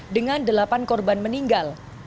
dengan delapan korban meninggal